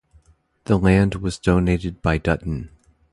The land was donated by Dutton.